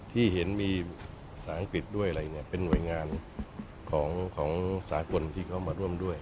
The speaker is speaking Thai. ที่เห็นมีภาษาอังกฤษด้วยอะไรเนี่ยเป็นหน่วยงานของสากลที่เขามาร่วมด้วย